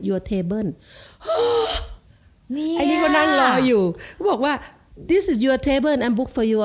อันนี้คนนั้นรออยู่เขาบอกว่า